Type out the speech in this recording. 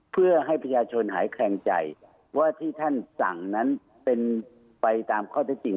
เพื่อให้ประชาชนหายแคลงใจว่าที่ท่านสั่งนั้นเป็นไปตามข้อเท็จจริง